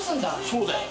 そうだよ。